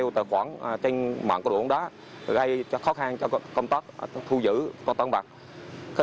theo tài khoản trên mạng cá độ bóng đá gây khó khăn cho công tác thu giữ cá độ bóng đá